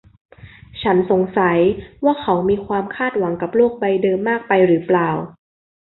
ฉันสงสัยว่าเขามีความคาดหวังกับโลกใบเดิมมากไปหรือเปล่า